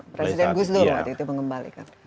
presiden gusdo waktu itu mengembalikan